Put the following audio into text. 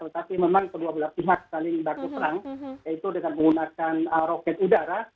tapi memang kedua belah pihak saling bantu perang yaitu dengan menggunakan roket udara